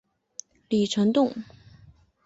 李成栋。